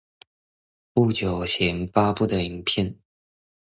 不久前發佈影片